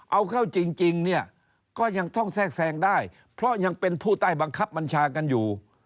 เอาเข้าจริงเนี่ยก็ยังต้องแทรกแทรงได้เพราะยังเป็นผู้ใต้บังคับบัญชากันอยู่